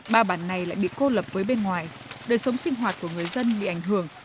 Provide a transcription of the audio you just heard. ba bản này lại bị cô lập với bên ngoài đời sống sinh hoạt của người dân bị ảnh hưởng